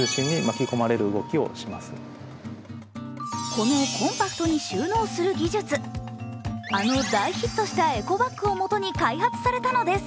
このコンパクトに収納する技術、あの大ヒットしたエコバッグをもとに開発されたのです。